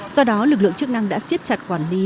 do đó lực lượng chức năng đã siết chặt quản lý